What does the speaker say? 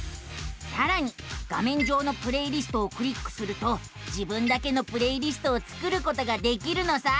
さらに画めん上の「プレイリスト」をクリックすると自分だけのプレイリストを作ることができるのさあ。